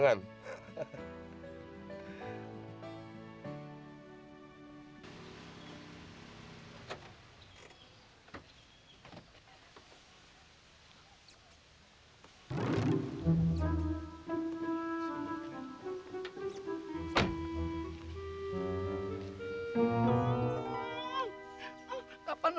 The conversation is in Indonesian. emang gue mereka pembunuhnya